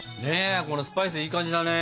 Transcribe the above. このスパイスいい感じだね。